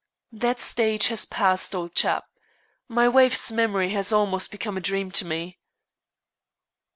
"That stage has passed, old chap. My wife's memory has almost become a dream to me."